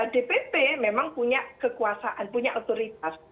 dpp memang punya kekuasaan punya otoritas